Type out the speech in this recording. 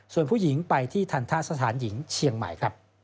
ส่วนผู้หญิงไปที่ทันทะสถานหญิงเชียงใหม่ครับ